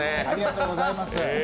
ありがとうございます。